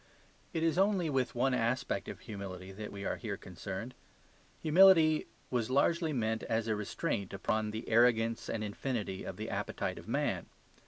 It is only with one aspect of humility that we are here concerned. Humility was largely meant as a restraint upon the arrogance and infinity of the appetite of man.